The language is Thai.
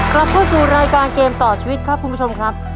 กลับเข้าสู่รายการเกมต่อชีวิตครับคุณผู้ชมครับ